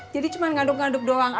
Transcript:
jadi cuman ngaduk ngaduk doang aja